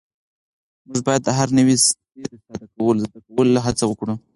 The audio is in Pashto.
موږ باید د هر نوي سی د زده کولو هڅه وکړو.